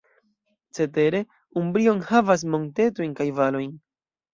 Cetere, Umbrio enhavas montetojn kaj valojn.